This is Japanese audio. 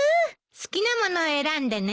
好きなものを選んでね。